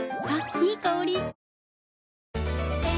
いい香り。